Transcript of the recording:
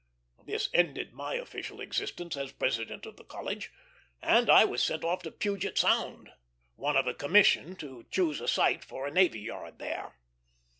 This ended my official existence as president of the College, and I was sent off to Puget Sound; one of a commission to choose a site for a navy yard there.